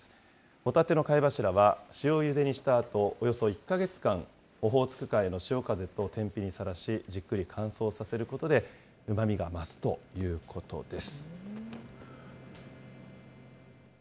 ホタテの貝柱は塩ゆでにしたあと、およそ１か月間、オホーツク海の潮風と天日にさらし、じっくり乾燥させることで、うまみが増すということです。